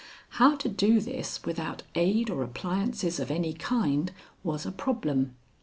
How to do this without aid or appliances of any kind was a problem.